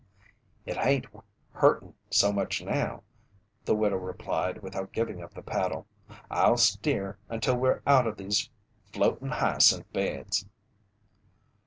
"It hain't hurtin' so much now," the widow replied without giving up the paddle. "I'll steer until we're out o' these floatin' hyacinth beds."